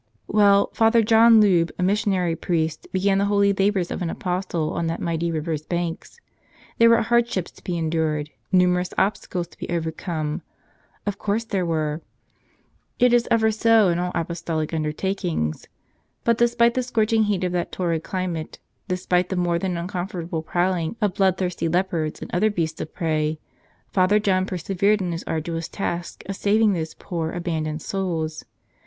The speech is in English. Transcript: Well, Father John Loub, a missionary priest, began the holy labors of an apostle on that mighty river's banks. There were hardships to be endured, numer¬ ous obstacles to be overcome — of course there were. It is ever so in all apostolic undertakings. But despite the scorching heat of that torrid climate, despite the more than uncomfortable prowling of blood thirsty leopards and other beasts of prey, Father John per¬ severed in his arduous task of saving those poor, aban¬ doned souls.